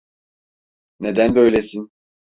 Neden böylesin?